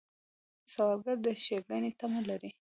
سوالګر د ښېګڼې تمه لري